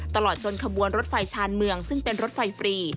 ตลอดจนขบวนรถไฟชาญเมืองซึ่งเป็นรถไฟฟรี